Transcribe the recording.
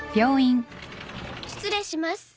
失礼します。